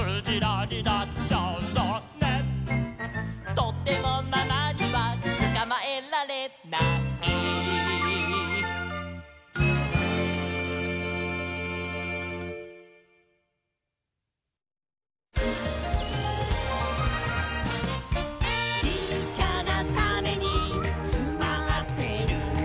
「とてもママにはつかまえられない」「ちっちゃなタネにつまってるんだ」